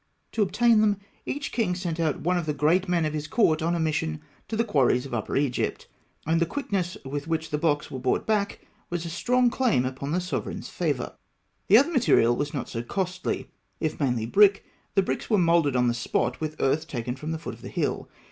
To obtain them, each king sent one of the great men of his court on a mission to the quarries of Upper Egypt; and the quickness with which the blocks were brought back was a strong claim upon the sovereign's favour. The other material was not so costly. If mainly brick, the bricks were moulded on the spot with earth taken from the foot of the hill.